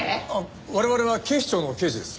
我々は警視庁の刑事です。